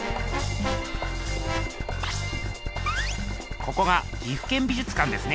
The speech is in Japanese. ここが岐阜県美術館ですね。